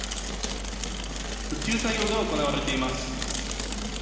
復旧作業が行われています。